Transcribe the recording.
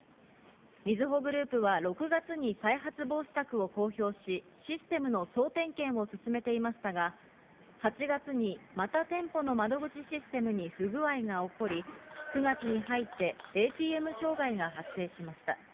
みずほグループは６月に再発防止策を公表し、システムの総点検を進めていましたが、８月にまた店舗の窓口のシステムに不具合が起こり、９月に入ってＡＴＭ障害が発生しました。